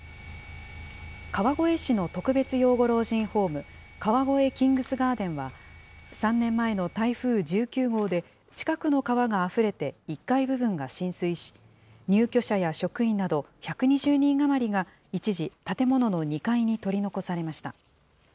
川越市の特別養護老人ホーム、川越キングス・ガーデンは３年前の台風１９号で、近くの川があふれて１階部分が浸水し、入居者や職員など１２０人余りが一時、建物の２階に取り残されました。